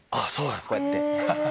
こうやって。